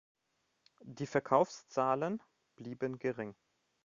Die Verkaufszahlen blieben gering.